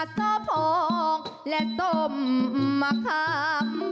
สะพองและส้มข้าม